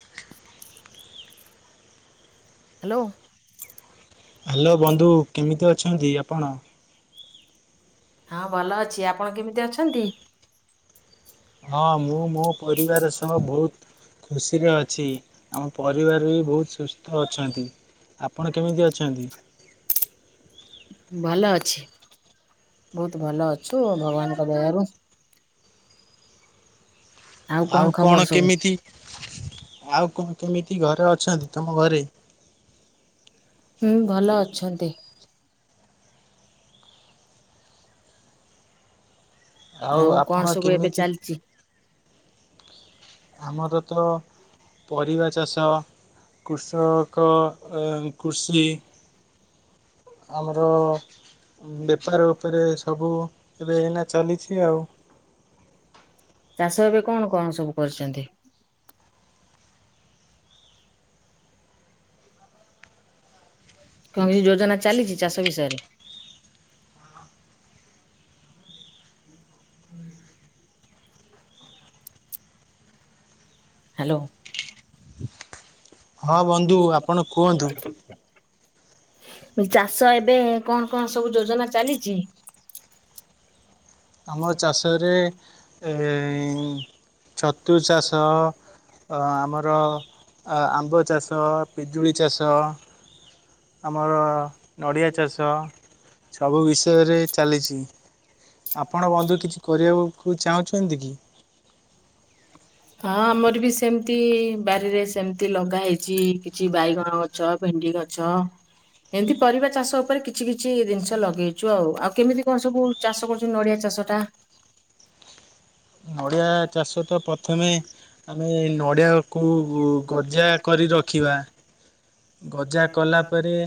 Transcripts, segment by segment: [unintelligible] Hello! Hello ବନ୍ଧୁ କେମିତି ଅଛନ୍ତି, ଆପଣ ହଁ ଭଲ ଅଛି, ଆପଣ କେମିତି ଅଛନ୍ତି! ହଁ ମୁଁ ମୋ ପରିବାର ସହ ବହୁତ ଖୁସିରେ ଅଛି, ଆମ ପରିବାର ବି ବହୁତ ସୁସ୍ଥ ଅଛନ୍ତି, ଆପଣ କେମିତି ଅଚନ୍ତି! ଭଲ ଅଛି, ବହୁତ ଭଲ ଅଛୁ ଭଗବାନଙ୍କ ଦୟାରୁ! ଆଉ କଣ କେମିତି ଆଉ କଣତ କେମିତି ଘରେ ଅଛନ୍ତି! ତମ ଘରେ ହୁଁ ଭଲ ଅଛନ୍ତି! ଆଉ କଣ ଆପଣ ସବୁ ଏବେ କେମିତି ଚାଲିଛି? ଆମର ତ ପରିବା ଚାଷ କୃଷକ କୃଷି ଆମର ବେପାର ଉପରେ ସବୁ ଏବେ ଏଇନା ଚାଲିଛି ଆଉ। ଚାଷ ଏବେ କଣ କଣ ସବୁ କରିଚନ୍ତି? କଣକିଛି ଯୋଜନା ଚାଲିଛି ଚାଷ ବିଷୟରେ। ହୁଁ [inaudible] ହ୍ୟାଲୋ। ହଁ ବନ୍ଧୁ ଆପଣ କୁହନ୍ତୁ। ଚାଷ ଏବେ କଣ କଣ ସବୁ ଯୋଜନା ଚାଲିଛି? ଆମ ଚାଷରେ ଏ ଏ ଛତୁ ଚାଷ ଆମର ଆମ୍ବ ଚାଷ ପିଜୁଳି ଚାଷ ଆମର ନଡ଼ିଆ ଚାଷ ସବୁ ବିଷୟରେ ଚାଲିଚି। ଆପଣ ବନ୍ଧୁ କିଛି କରିଆବାକୁ ଚାହୁଁଚନ୍ତି କି? ହଁ ଆମର ବି ସେମତି ବାରିରେ ସେମତି ଲଗା ହେଇଛି କିଛି ବାଇଗଣ ଅ ଗଛ ଭେଣ୍ଡି ଗଛ। ଏମିତି ପରିବା ଚାଷ ଉପରେ କିଛି କିଛି ଦିନିଶ ଲଗେଇଛୁ ଆଉ ଆଉ କେମିତି କଣ ସବୁ ଚାଷ କରୁଚୁ ନଡ଼ିଆ ଚାଷ ଟା ନଡ଼ିଆ ଚାଷ ତ ପ୍ରଥମେ ଆମେ ନଡ଼ିଆ ଗଜା କଲା ପରେ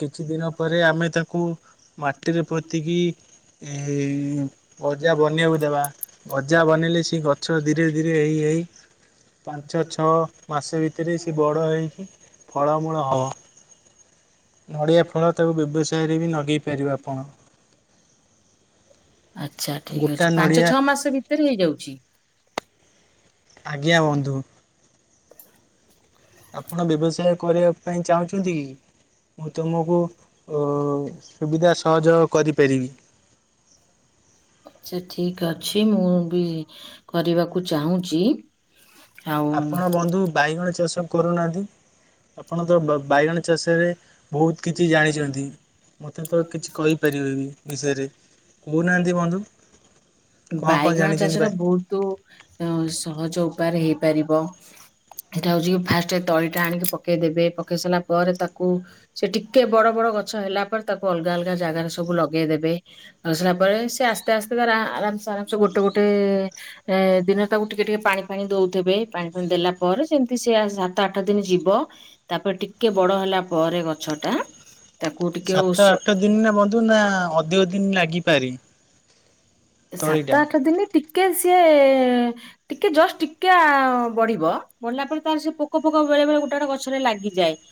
କିଛି ଦିନ ପରେ ଆମେ ତାକୁ ମାଟିରେ ପୋତିକି ଏଇ ଯା ବନେଇଲେ ସେ ଗଛ ଧୀରେ ଧୀରେ ହେଇ ହେଇ ପାଞ୍ଚ ଛଅ ମାସେ ଭିତେରେ ସେ ବଡ଼ ହେଇ ଫଳ ମୂଳ ହବ। ନଡ଼ିଆ ଫଳ ତାକୁ ବ୍ୟବସାୟରେ ବି ନଗେଇ ପାରିବେ ବି ଆପଣ। ଆଚ୍ଛା ଠିକ ଗୋଟା ଅଛି ପାଞ୍ଚ ନଡ଼ିଆ ଛଅ ମାସ ଭିତରେ ହେଇଯାଉଛି। ଆଜ୍ଞା ବନ୍ଧୁ [inaudible] ଆପଣ ବ୍ୟବସାୟ କରିବା ପାଇଁ ଚାହୁଁଛନ୍ତି କି? ମୁଁ ତମକୁ ଅ ସୁବିଧା ସହଯୋଗ କରିପାରିବି। ଆଛା ଠିକ୍ ଅଛି ମୁଁ ବି କରିବାକୁ ଚାହୁଁଚି। ଆପଣ ବନ୍ଧୁ ବାଇଗଣ ଚାଷ କରୁନାଆନ୍ତି। ଆପଣ ତ ବା ବାଇଗଣ ଚାଷରେ ବହୁତ କିଛି ଜାଣିଛନ୍ତି। ମତେ ତ କିଛି କହିପାରିବେନି ବିଷୟରେ କହୁନାହାନ୍ତି ବନ୍ଧୁ କଣ କଣ ଜାଣିଛନ୍ତି ଭାଇ? ହୁ ତୁ। ସହଜ ଉପାୟରେ ହେଇପାରିବ। ସେଇଟା ହଉଛି କି ଫାଷ୍ଟ ତଳିଟା ଆଣିକି ପକେଇଦେବେ ପକେଇ ସାରିଲା ପରେ ତାକୁ ସେ ଟିକେ ବଡ ବଡ ଗଛ ହେଲା ପରେ ତାକୁ ଅଲଗା ଅଲଗା ଜାଗାରେ ସବୁ ଲଗେଇଦେବେ ଆସିଲା ପରେ ସେ ଆସ୍ତେ ଆସ୍ତେ ତ ଆରାମସେ ଆରାମସେ ଗୋଟେ ଗୋଟେ ଏ ଦିନ ତାକୁ ଟିକେ ଟିକେ ପାଣି ଫାଣି ଦଉଥିବେ ପାଣି ଫାଣି ଦେଲା ପରେ ସେମିତି ସେ ସାତ ଆଠ ଦିନ ଯିବ ତାପରେ ଟିକେ ବଡ ହେଲା ପରେ ଗଛ ଟା ତାକୁ ଟିକେ ସାତ ଓଷ ଆଠ ଦିନ ନା ବନ୍ଧୁ ନା ଅଧିକ ଦିନ ନାଗିପାରି ସାତ ଆଠ ଦିନ ଟିକେ ସିଏ ଟିକେ ଜଷ୍ଟ ଟିକେ ଆ ବଢିବ ବଢିଲା ପରେ ତାର ସେ ପୋକ ଫୋକ ବେଳେ ବେଳେ ଗୋଟା ଗୋଟା ଗଛରେ ଲାଗିଯାଏ।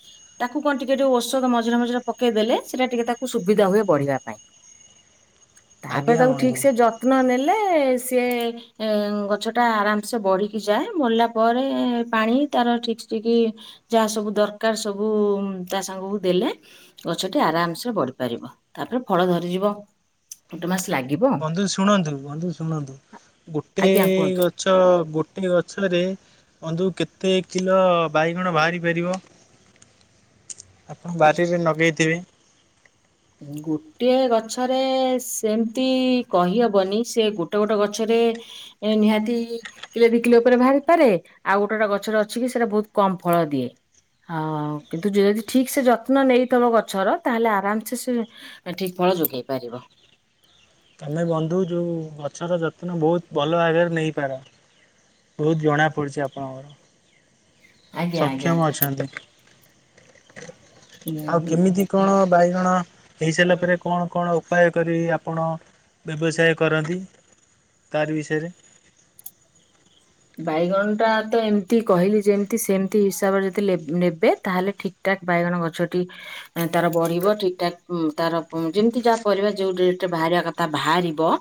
ତାକୁ କଣ ଟିକେ ଯୋଉ ଔଷଧ ମଝିରେ ମଝିରେ ପକେଇ ଦେଲେ ସେଇଟା ଟିକେ ତାକୁ ସୁବିଧା ହୁଏ ବଢିବା ପାଇଁ। [inaudible] ତାପରେ ଆଜ୍ଞା ତାକୁ ବନ୍ଧୁ ଠିକ ସେ ଯତ୍ନ ନେଲେ ସିଏ ଏ ଗଛଟା ଆରାମସେ ବଢିକି ଯାଏ ବଢିଲା ପରେ ପାଣି ତାର ଠିକ ସିକ ଯାହା ସବୁ ଦରକାର ସବୁ ତା ସାଙ୍ଗକୁ ଦେଲେ ଗଛଟି ଆରାମସ ବଢି ପାରିବ। ତାପରେ ଫଳ ଧରିଯିବ ଗୋଟେ ମାସ ଲାଗିବ। ବନ୍ଧୁ ଶୁଣନ୍ତୁ ବନ୍ଧୁ ଶୁଣନ୍ତୁ ଗୋଟେ ଆଜ୍ଞା କୁହନ୍ତୁ। ଗ ଛ ଗୋଟେ ଗଛରେ ବନ୍ଧୁ କେତେ କିଲୋ ବାଇଗଣ ବାହାରି ପାରିବ? ଆପଣ ବାରିରେ ନଗେଇଥିବେ। ଗୋଟିଏ ଗଛରେ ସେମିତି କହିହବନି ସେ ଗୋଟେ ଗୋଟେ ଗଛରେ ଏ ନିହାତି କିଲୋ ଦି କିଲୋ ଉପରେ ବାହାରିପାରେ। ଆଉ ଗୋଟେ ଗୋାଟେ ଗଛଟେ ଅଛି କି ସେଟା ବହୁତ କମ ଫଳ ଦିଏ। ହଉ କିନ୍ତୁ ଯଦି ଠିକ ସେ ଯତ୍ନ ନେଇଥବ ଗଛର ତାହେଲେ ଆରାମ ସେ ସେ ଠିକ ଫଳ ଯୋଗେଇ ପାରିବ। ତୋମେ ବନ୍ଧୁ ଯୋଉ ଗଛର ଯତ୍ନ ବହୁତ ଭଲ ଭାବରେ ନେଇପାର। ବହୁତ ଜଣା ପଡୁଛି ଆପଣଙ୍କର ଆଜ୍ଞା ଆଜ୍ଞା। ସକ୍ଷମ ଅଛନ୍ତି। ଆଉ ଉଁ କେମିତି କଣ ବାଇଗଣ ହେଇସାଇଲା ପରେ କଣ କଣ ଉ ପାୟ କରି ଆପଣ ବ୍ୟବସାୟ କରନ୍ତି ତାରି ବିଷୟରେ? ବାଇଗଣ ଟା ତ ଏମତି କହିଲି ଯେମତି ସେମତି ହିସାବରେ ଯଦି ଲେ-ନେବେ ତାହେଲେ ଠିକ୍ ଟାକ ବାଇଗଣ ଗଛଟି ଏଁ, ତାର ବଢିବ ଠିକ ଠାକ୍ ଉଁ, ତାର ଉଁ, ଯେମିତି ଯା ପରିବା ଯୋଉ ଡେଟ୍ ରେ ବାହାରିବା କଥା ଭାରିବ।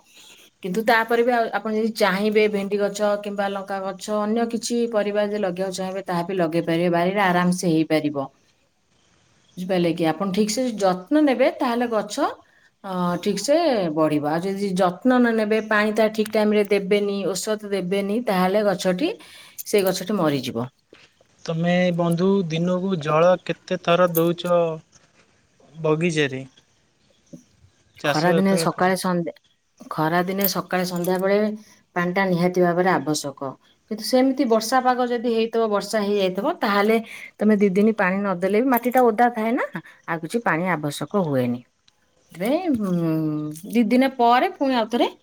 କିନ୍ତୁ ତାପରେ ବି ଆଉ ଆପଣ ଯଦି ଚାହିଁବେ ଭେଣ୍ଡି ଗଛ କିମ୍ବା ଲ ଙ୍କା ଗଛ ଅନ୍ୟ କିଛି ପରିବା ଯେ ଲଗେଇବାକୁ ଚାହିଁବେ ତାହା ବି ଲଗେଇ ପାରିବେ ବାରିରେ ଆରାମ ସେ ହେଇପାରିବ। ହ ବୁଝିପାରିଲେ କି ଆପଣ ଠିକ ସେ [unintelligible] ଯତ୍ନ ନେବେ ତାହେଲେ ଗଛ ଅ, ଠିକ ସେ ବଢିବ। ଆଉ ଯଦି ଯତ୍ନ ନ ନେବେ ପାଣି ତା ଠିକ ଟାଇମ୍ ରେ ଦେବେନି। ଔଷ ଧ ଦେବେନି ତାହେଲେ ଗଛଟି ସେଇ ଗଛଟି ମରିଯିବ। ତୋମେ ବନ୍ଧୁ ଦିନକୁ ଜଳ କେତେ ଥର ଦଉଛ ବଗିଚାରେ? ଚାଷ ଖରା ଦିନେ ଯେତେବେଳେ କର ସକାଳେ ସନ୍ଦେ ଖରାଦିନେ ସକାଳେ ସନ୍ଧ୍ୟା ବେଳେ ପାଣି ଟା ନିହାତି ଭାବରେ ଆବଶ୍ୟକ। କିନ୍ତୁ ସେମିତି ବର୍ଷା ପାଗ ଯଦି ହେଇଥିବ ବର୍ଷା ହେଇଯାଇଥିବ ତାହେଲେ ତୋମେ ଦି ଦିନ ପାଣି ନଦେଲେ ବି ମାଟି ଟା ଓଦା ଥାଏ ନା ଆଉ କିଛି ପାଣି ଆବଶ୍ୟକ ହୁଏନି। ରେ ଉଁ, ଦି ଦିନ ପରେ ପୁଣି ଆଉଥରେ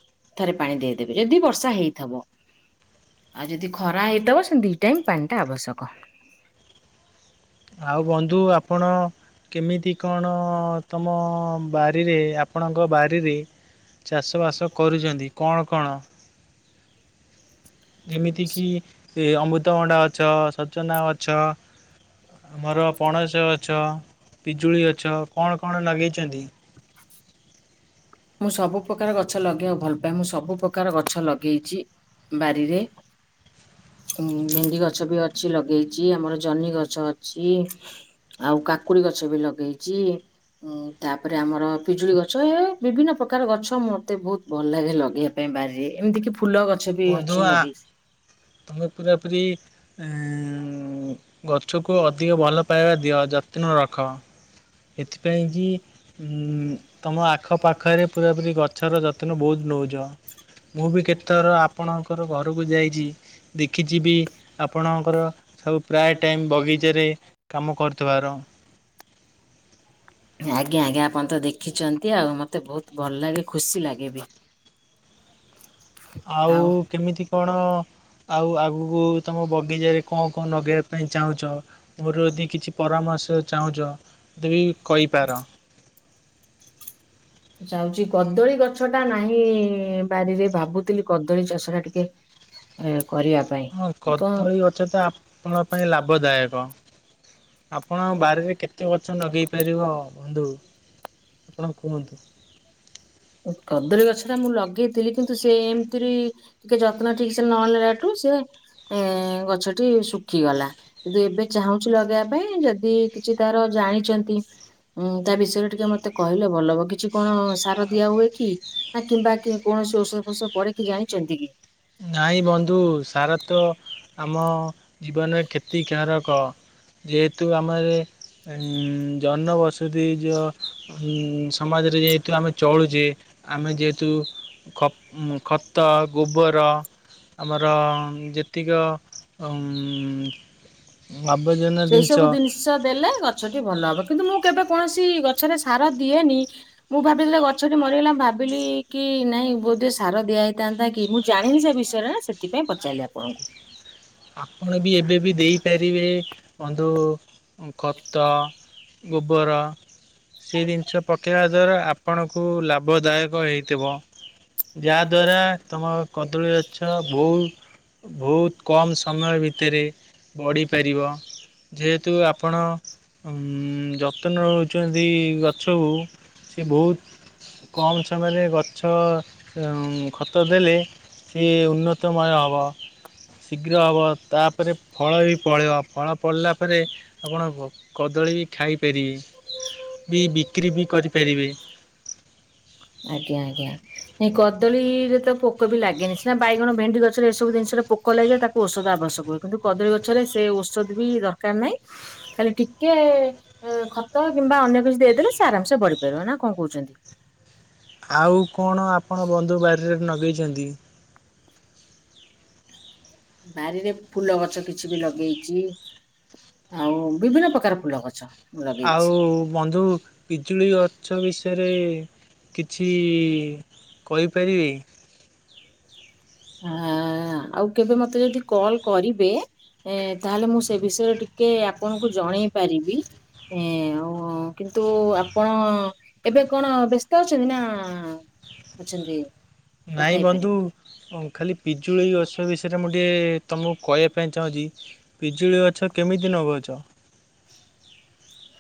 ଥରେ ପାଣି ଦେଇଦେବେ ଯଦି ବର୍ଷା ହେଇଥିବ। ଆଉ ଯଦି ଖରା ହେଇଥବ ସେ ଦି ଟାଇମ୍ ପାଣିଟା ଆବଶ୍ୟକ। ଆଉ ବନ୍ଧୁ ଆପଣ କେମିତି କଣ ଅଁ, ତୋମ ବାରିରେ ଆପଣଙ୍କ ବାରିରେ ଚାଷବାସ କରିଚନ୍ତି? କଣ କଣ? ଯେମିତିକି ଏ ଅମୃତଭଣ୍ଡା ଗଛ, ସଜନା ଗଛ। ଆମର ପଣସ ଗଛ, ପିଜୁଳି ଗଛ, କଣ କଣ ନଗେଇଚନ୍ତି? ମୁଁ ସବୁ ପ୍ରକାର ଗଛ ଲଗେଇବାକୁ ଭଲ ପାଏ। ମୁଁ ସବୁ ପ୍ରକାର ଗଛ ଲଗେଇଛି ବାରିରେ। ଉଁ, ଭେଣ୍ଡି ଗଛ ବି ଅଛି ଲଗେଇଚି। ଆମର ଜହ୍ନି ଗଛ ଅଛି। ଆଉ କାକୁଡି ଗଛ ବି ଲଗେଇଛି। ଉଁ, ତାପରେ ଆମର ପିଜୁଳି ଗଛ ଏ ବିଭିନ୍ନ ପ୍ରକାର ଗଛ ମୋତେ ବହୁତ ଭଲ ଲାଗେ ଲଗେଇବା ପାଇଁ ବାରିରେ। ଏମିତି କି ଫୁଲ ଗ ବନ୍ଧୁ ଆ, ତୋମେ ପୁରାପୁରି ଏଁ, ଉଁ, ଗଛକୁ ଅଧିକ ଭଲ ପାଇବା ଦିଅ ଯତ୍ନ ରଖ ଏଥିପାଇଁ କିି ଉଁ, ତୋମ ଆଖପାଖରେ ପୁରାପୁରି ଗଛର ଯତ୍ନ ବହୁତ ନଉଚ। ମୁଁ ବି କେତଥର ଆପଣଙ୍କର ଘରକୁ ଯାଇଛି। ଦେଖିଛିି ବି ଆପଣଙ୍କର ସବୁ ପ୍ରାୟ ଟାଇମ୍ ବଗିଚାରେ କାମ କରୁଥିବାର। ଆଜ୍ଞା ଆଜ୍ଞା ଆପଣ ତ ଦେଖିଛନ୍ତି ଆଉ ମତେ ବହୁତ ଭଲ ଲାଗେ ଖୁସି ଲାଗେ ବି। ଆଉ କିମିତି କଣ ଆଉ ଆଗକୁ ତମ ବଗିଚାରେ କଣ କଣ ନଗେଇବା ପାଇଁ ଚାହୁଁଛ ମୋର ଯଦି କିଛି ପରାମର୍ଶ ଚାହୁଁଛ ତେ ବି କହିପାର। ଯାଉଛି କଦଳୀ ଗଛ ଟା ନାହିଁ ବାରିରେ ଭାବୁଥିଲି କଦଳୀ ଚାଷ ଟା ଟିକେ ଏ କରିବା ପାଇଁ ହଁ କଣ କଦଳୀ ଗଛ ତ ଆପଣ ପାଇଁ ଲାଭଦାୟକ। ଆପଣଙ୍କ ବାରିରେ କେତେ ଗଛ ନଗେଇ ପାରିବ ବନ୍ଧୁ ଆପଣ କୁହନ୍ତୁ। କଦଳୀ ଗଛ ଟା ମୁଁ ଲଗେଇଥିଲି କିନ୍ତୁ ସେ ଏମିତିରେ ଟିକେ ଯତ୍ନ ଠିକ ସେ ନେଲାଠୁ ସେ ଏ ଗଛଟି ଶୁଖିଗଲା। କିନ୍ତୁ ଏବେ ଚାହୁଁଛି ଲଗେଇବା ପାଇଁ ଯଦି କିଛି ତାର ଜାଣିଛନ୍ତି ଉଁ ତା ବିଷୟରେ ଟିକେ ମତେ କହିଲେ ଭଲ ହବ କିଛି କଣ ସାର ଦିଆ ହୁଏ କି ନା କିମ୍ବା କୌଣସି ଔଷଧ ଫୋଷ ପଡେ କି ଜାଣିଛନ୍ତି କି? ନାଇଁ ବନ୍ଧୁ ସାର ତ ଆମ ଜୀବନରେ କ୍ଷତି କେହାରକ ଯେହେତୁ ଆମର ଜନବସ [unintelligible] ହୁଁ ସମାଜରେ ଯେତୁ ଆମେ ଚଳୁଛେ ଆମେ ଯେହେତୁ ଖ ଖତ ଗୋବର ଆମର ଯେତିକ ଉଁ ଆବର୍ଜନା ଜିନିଷ ସେ ଦେଲେ ଗଛଟି ଭଲ ହବ କିନ୍ତୁ ମୁଁ କେବେ କୌଣସି ଗଛରେ ସାର ଦିଏନି ମୁଁ ଭାବିଥିଲ ଗଛଟି ମରିଗଲା ଭାବିଲି କି ନାଇଁ ବୋଧେ ସାର ଦିଆ ହେଇଥାନ୍ତା କି ମୁ ଜାଣିନି ସେ ବିଷୟରେ ସେଥିପାଇଁ ପଚାରଲିି ଆପଣଙ୍କୁ। ଆପଣ ବି ଏବେ ବି ଦେଇପାରିବେ ବନ୍ଧୁ ଖତ ଗୋବର ସେ ଜିନିଷ ପକେଇବା ଦ୍ଵାରା ଆପ୍ ଆପଣଙ୍କୁ ଲାଭଦାୟକ ହେଇଥିବ। ଯାହାଦ୍ୱାରା ତୁମ କଦଳୀ ଗଛ ବହୁ ବହୁତ କମ୍ ସମୟ ଭିତରେ ବଢ଼ିପାରିବ। ଯେହେତୁ ଆପଣ ଯତ୍ନ ନେଉଛନ୍ତି ଗଛକୁ ସେ ବହୁତ କମ ସମୟରେ ଗଛ ଉଁ ଖତ ଦେଲେ ସିଏ ଉନ୍ନତମୟ ହେବ। ଶୀଘ୍ର ହେବ, ତାପରେ ଫଳ ବି ପଳିବ ଫଳ ପଳିଲା ପରେ ଆପଣ କଦଳୀ ବି ଖାଇପାରିବେ ବି ବିକ୍ରି ବି କରିପାରିବେ। ଆଜ୍ଞା ଆଜ୍ଞା। ନାଇଁ କଦଳୀରେ ତ ପୋକ ବି ଲାଗେନି ସିନା ବାଇଗଣ ଭେଣ୍ଡି ଗଛରେ ଏସବୁ ଜିନିଷରେ ପୋକ କ ଲାଗିଲେ ତାକୁ ଔଷଧ ଆବଶ୍ୟକ ହୁଏ କିନ୍ତୁ କଦଳୀ ଗଛରେ ସେ ଔଷଧ ବି ଦରକାର ନାହିଁ। ଖାଲି ଟିକେ ଖତ କିମ୍ବା ଅନ୍ୟ କିଛି ଦେଇଦେଲେ ସେ ଆରାମସେ ବଢି ପାରିବ ନା କଣ କହୁଛନ୍ତି। ଆଉ କଣ ଆପଣ ବନ୍ଧୁ ବାରିରେ ନଗେଇଛନ୍ତି। ନାରିରେ ଫୁଲ ଗଛ କିଛି ବି ଲଗେଇଛି। ଆଉ ବିଭିନ୍ନ ପ୍ରକାର ଫୁଲ ଗଛ ଲଗେଇଛି। ଆଉ ବନ୍ଧୁ ପିଜୁଳି ଗଛ ବିଷୟରେ କିଛି କହିପାରିବେ କି। ହ ଆଉ କେବେ ମତେ ଯଦି କଲ କରିବେ ଏ ତାହେଲେ ମୁଁ ସେ ବିଷୟରେ ଟିକେ ଆପଣଙ୍କୁ ଜଣେଇ ପାରିବି। ଏଁ ଉଁ କିନ୍ତୁ ଆପଣ ଏବେ କଣ ବ୍ୟସ୍ତ ଅଛନ୍ତି ନା ଅଛନ୍ତି କଥା ନାଇଁ ବନ୍ଧୁ ହେଇପାରିବେ ଖାଲି ପିଜୁଳି ଅସ ବେଶି ସେଥିରେ ମୁଁ ଟିକିଏ ତୁମକୁ କହିବା ପାଇଁ ଚାହୁଁଛି ପିଜୁଳି ଗଛ କେମିତି ନଗଉଛ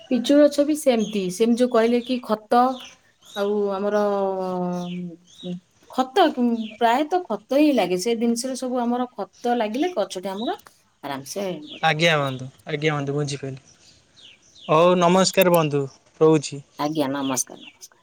ପିଚୁ ଗଛ ବି ସେମିତି ସେମିତି ଯୋଉ କହିଲେ କି ଖତ ଆଉ ଆମର ଖତ ଉ ପ୍ରାୟତଃ ଖତ ହିଁ ଲାଗେ ସେ ଜିନିଷରେ ସବୁ ଆମର ଖତ ଲାଗିଲେ ଗଛଟି ଆମର ଆରାମ ସେ ଆଜ୍ଞା ବନ୍ଧୁ ଆଜ୍ଞା ବନ୍ଧୁ ବୁଝିପାଇଲି ରହୁଛି। ଆଜ୍ଞା ନମସ୍କାର ନମସ୍କାର